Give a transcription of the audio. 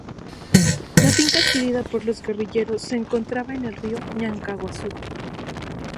La finca adquirida por los guerrilleros se encontraba en el río Ñancahuazú.